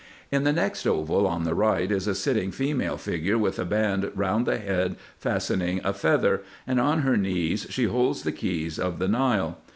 In the next oval on the right is a sitting female figure with a band round the head fastening a feather, and on her knees she holds the keys of the Nile.